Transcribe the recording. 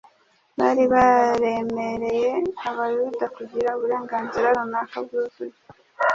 Bari baremereye abayuda kugira uburenganzira runaka bwuzuye,